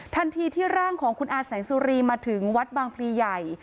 ทันทีที่ร่างของคุณอาแสงสุรีมาถึงวัดบางพลีใหญ่